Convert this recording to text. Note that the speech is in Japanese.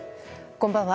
こんばんは。